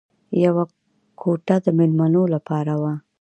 یوه کوټه د مېلمنو لپاره وه